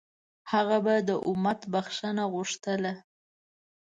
هغه به د امت بښنه غوښتله.